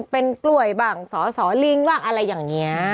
เป็นกล้วยบ้างสอสอลิงบ้างอะไรอย่างนี้